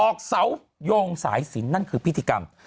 เสาโยงสายสินนั่นคือพิธีกรรม